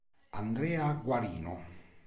Andrea Guarino